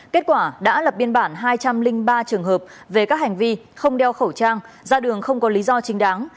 kết quả đã lập biên bản hai trăm linh ba trường hợp về các hành vi không đeo khẩu trang ra đường không có lý do chính đáng